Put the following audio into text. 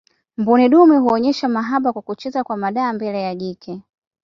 mbuni dume huonesha mahaba kwa kucheza kwa madaha mbele ya jike